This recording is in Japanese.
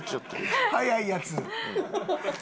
速いやつ。